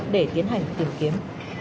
để tiến hành tìm kiếm